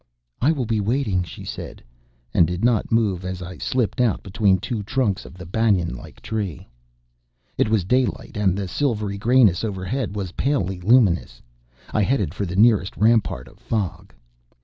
"I will be waiting," she said, and did not move as I slipped out between two trunks of the banyan like tree. It was daylight and the silvery grayness overhead was palely luminous. I headed for the nearest rampart of fog.